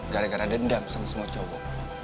gara gara dendam sama semua coba